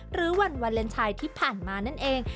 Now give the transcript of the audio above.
หรือวันวาเลนไทยที่ผ่านมานั่นเอง